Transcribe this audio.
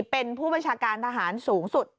เป็นผู้บัญชาการทหารสูงสุด